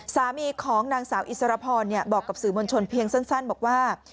สามีของนางสาวอิสรพรบอกกับสื่อมวลชนเพียงสั้นบอกว่า